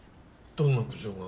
どんな苦情が？